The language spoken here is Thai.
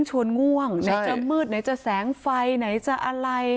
ชวนง่วงไหนจะมืดไหนจะแสงไฟไหนจะอะไร